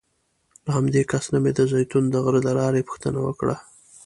له همدې کس نه مې د زیتون د غره د لارې پوښتنه وکړه.